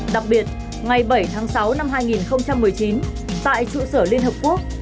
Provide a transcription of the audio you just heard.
đặc biệt ngày bảy tháng sáu năm hai nghìn một mươi chín tại trụ sở liên hợp quốc